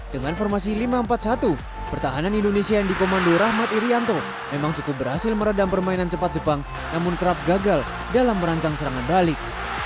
dengan formasi lima empat satu pertahanan indonesia yang dikomando rahmat irianto memang cukup berhasil meredam permainan cepat jepang namun kerap gagal dalam merancang serangan balik